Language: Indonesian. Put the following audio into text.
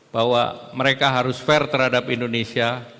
bahwa mereka harus fair terhadap indonesia